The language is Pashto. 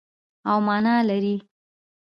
او مانا لري.